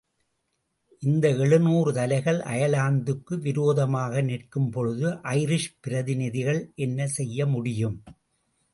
இந்த எழுநூறு தலைகள் அயர்லாந்துக்கு விரோதமாக நிற்கும் பொழுது, ஐரிஷ் பிரதிநிதிகள் என்ன செய்ய முடியும்?